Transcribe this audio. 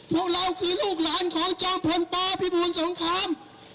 พวกเราคือลูกหลานของจอมพลปพิบูลสงคราม